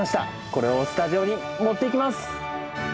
これをスタジオに持っていきます！